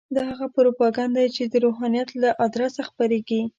دا هغه پروپاګند دی چې د روحانیت له ادرسه خپرېږي.